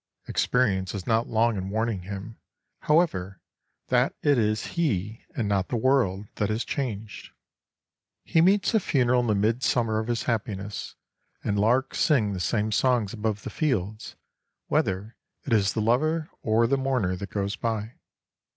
Experience is not long in warning him, however, that it is he and not the world that has changed. He meets a funeral in the midsummer of his happiness, and larks sing the same songs above the fields whether it is the lover or the mourner that goes by.